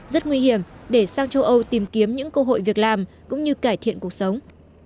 rất nguy hiểm để sang châu âu tìm kiếm những cơ hội việc làm cũng như cải thiện cuộc sống